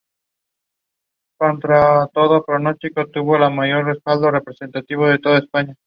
El municipio cuenta con varios centros poblados.